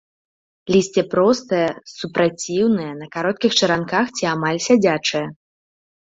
Лісце простае, супраціўнае, на кароткіх чаранках ці амаль сядзячае.